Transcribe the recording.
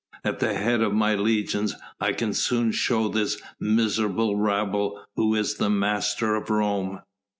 "At the head of my legions I can soon show this miserable rabble who is the master of Rome."